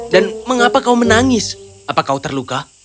dan mengapa kau menangis apa kau terluka